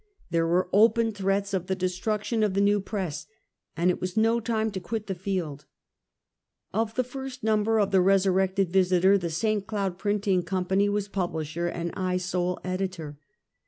There were open threats of the destruction of the new^ press, and it was no time to quit the field. Of the first number of the resurrected Visiter, the St. Cloud Printing Co. was publisher, and I sole editor.